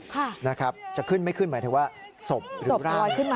ค่ะนะครับจะขึ้นไม่ขึ้นหมายถึงว่าศพหรือร่างขึ้นมา